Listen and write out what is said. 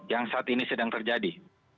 yang saat ini sedang terjadi